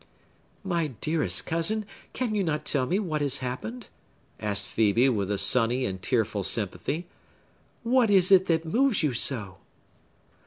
"My dearest cousin, cannot you tell me what has happened?" asked Phœbe, with a sunny and tearful sympathy. "What is it that moves you so?"